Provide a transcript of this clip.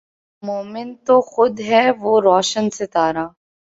مومن تو خود ھے وہ روشن ستارا